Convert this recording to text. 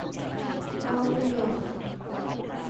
Cao Minh Ngoc